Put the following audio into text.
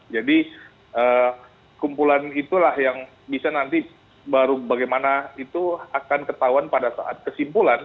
kumpulan itulah yang bisa nanti baru bagaimana itu akan ketahuan pada saat kesimpulan